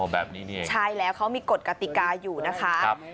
แบบนี้เนี่ยใช่แล้วเขามีกฎกติกาอยู่นะคะ